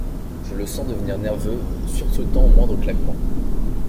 Je les sens devenir nerveux, sursautant au moindre claquement.